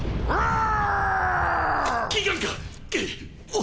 ああ？